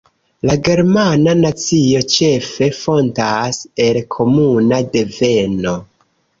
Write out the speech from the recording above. La germana nacio ĉefe fontas el komuna deveno.